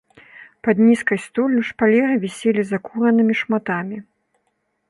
Пад нізкай столлю шпалеры віселі закуранымі шматамі.